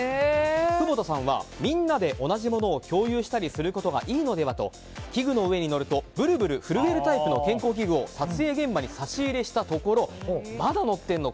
窪田さんはみんなで同じものを共有したりするものがいいのではと、器具の上に乗るとぶるぶる震えるタイプの健康器具を撮影現場に差し入れしたところまだ乗ってるの？